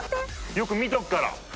よく見とくから。